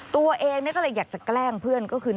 ตัวเองก็เลยอยากจะแกล้งเพื่อนก็คือ